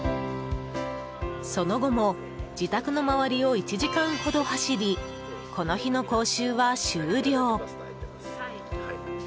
その後も自宅の周りを１時間ほど走りこの日の講習は終了。